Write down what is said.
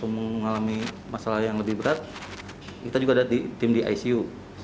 mengalami masalah yang lebih berat kita juga ada di tim di icu